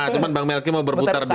cuman bang melky mau berputar dulu